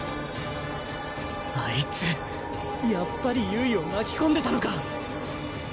あいつやっぱりゆいをまきこんでたのか！